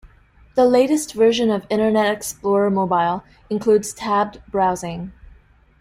The latest version of Internet Explorer Mobile includes tabbed browsing.